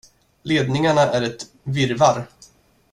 Ledningarna är ett virrvarr.